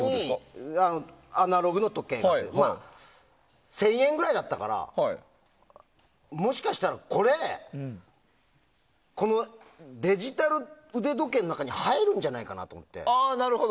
１０００円ぐらいだったからもしかしたら、これデジタル腕時計の中に入るんじゃないかなって思って。